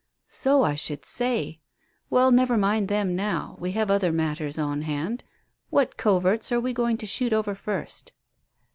"So I should say. Well, never mind them now, we have other matters on hand. What coverts are we going to shoot over first?"